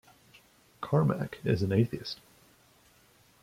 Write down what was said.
Carmack is an atheist.